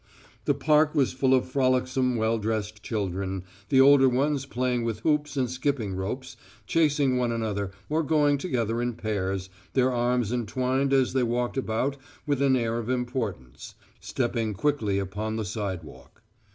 The park was full of frolicsome well dressed children, the older ones playing with hoops and skipping ropes, chasing one another or going together in pairs, their arms entwined as they walked about with an air of importance, stepping quickly upon the sidewalk.